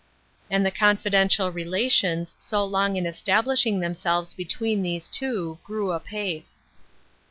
And the confidential relations so long in estab lishing themselves between these two grew apace.